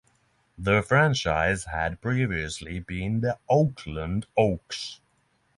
The franchise had previously been the Oakland Oaks.